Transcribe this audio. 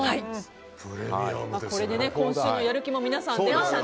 これで今週のやる気も皆さん、出ましたね。